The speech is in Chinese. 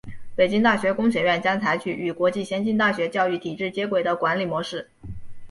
北京大学工学院将采取与国际先进大学教育体制接轨的管理模式。